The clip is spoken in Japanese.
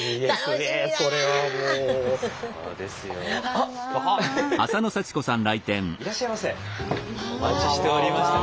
お待ちしておりました。